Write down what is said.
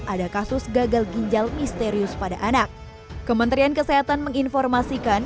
dua ribu dua puluh dua ada kasus gagal ginjal misterius pada anak kementerian kesehatan menginformasikan